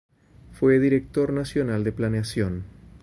Fue Director Nacional de Planeación.